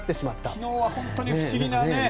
昨日は本当に不思議なね。